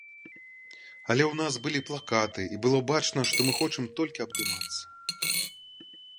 Але ў нас былі плакаты і было бачна, што мы хочам толькі абдымацца.